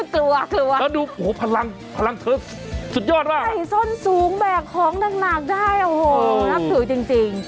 กลัวกลัวแล้วดูโอ้โหพลังพลังเธอสุดยอดมากใส่ส้นสูงแบกของหนักได้โอ้โหนับถือจริง